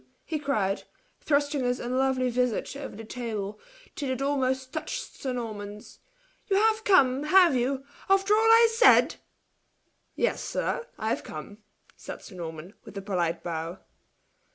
he cried, thrusting his unlovely visage over the table, till it almost touched sir Norman's. "You have come, have you, after all I said?" "Yes, sir I have come!" said Sir Norman, with a polite bow.